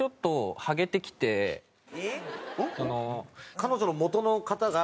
彼女の元の方が。